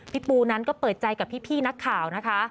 ปูนั้นก็เปิดใจกับพี่นักข่าวนะคะ